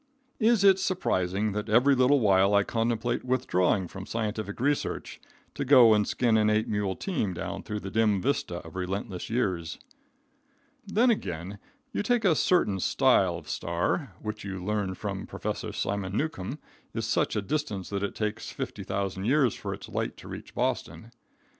Is it surprising that every little while I contemplate withdrawing from scientific research, to go and skin an eight mule team down through the dim vista of relentless years? Then, again, you take a certain style of star, which you learn from Professor Simon Newcomb is such a distance that it takes 50,000 years for its light to reach Boston.